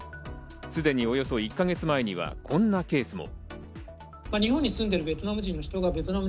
すでにおよそ１か月前には、こんなケースも。